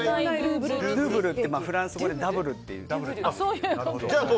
ドゥーブルってフランス語でダブルっていうんですけど。